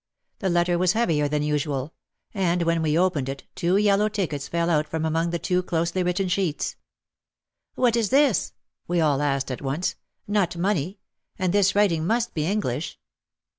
The letter was heavier than usual. And when we opened it, two yellow tickets fell out from among the two closely written sheets. "What is this?" we all asked at once. "Not money. And this writing must be English."